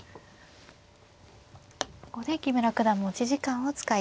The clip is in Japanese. ここで木村九段持ち時間を使い切りました。